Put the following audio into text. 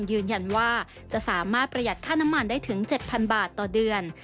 ยืนยันว่าจะสามารถประหยัดค่าน้ำมันได้ถึง๗๐๐บาทต่อเดือน